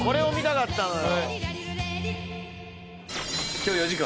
今日４時間。